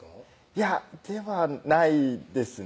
いやではないですね